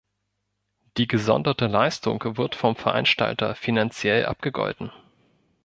Die gesonderte Leistung wird vom Veranstalter finanziell abgegolten.